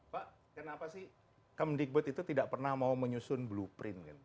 pak kenapa sih km digbud itu tidak pernah mau menyusun blueprint kan